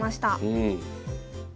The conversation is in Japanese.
うん。